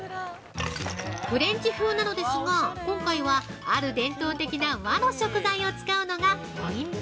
フレンチ風なのですが今回は、ある伝統的な和の食材を使うのがポイント。